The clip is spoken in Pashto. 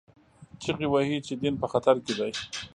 چیغې وهي چې دین په خطر کې دی